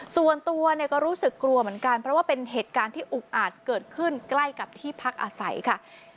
ส่วนตัวเนี่ยก็รู้สึกกลัวเหมือนกันเพราะว่าเป็นเหตุการณ์ที่อุกอาจเกิดขึ้นใกล้กับที่พักอาศัยค่ะ